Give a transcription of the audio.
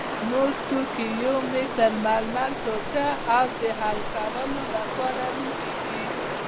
نور توکي یو متر ململ ټوټه او د حل کولو لپاره لوښي دي.